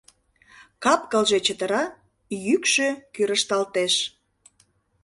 Кап-кылже чытыра, йӱкшӧ кӱрышталтеш.